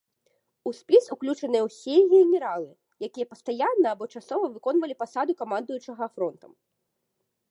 У спіс уключаныя ўсе генералы, якія пастаянна або часова выконвалі пасаду камандуючага фронтам.